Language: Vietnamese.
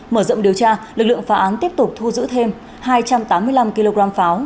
mở rộng điều tra lực lượng phá án tiếp tục thu giữ thêm hai trăm tám mươi năm kg pháo